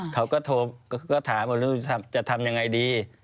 เขาก็โทรก็ถามว่าจะทำยังไงดี